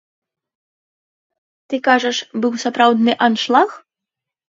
Ты кажаш, быў сапраўдны аншлаг?